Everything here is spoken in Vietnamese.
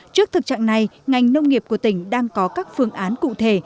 trước thực trạng này ngành nông nghiệp của tỉnh đang có các phương án cụ thể